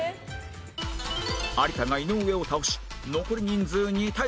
有田が井上を倒し残り人数２対２の五分に